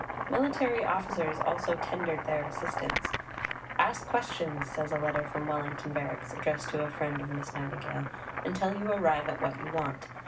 Military officers also tendered their assistance. "Ask questions," says a letter from Wellington Barracks addressed to a friend of Miss Nightingale, "until you arrive at what you want.